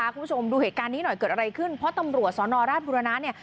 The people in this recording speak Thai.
คุณผู้ชมดูเหตุการณ์นี้หน่อยเกิดอะไรขึ้นเพราะตำรวจสอนอราชบุรณะเนี่ย